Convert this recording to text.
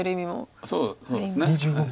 そうですね。